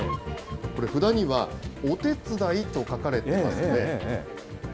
これ、札にはお手伝いと書かれてますよね。